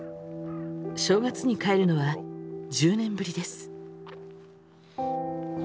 正月に帰るのは１０年ぶりです。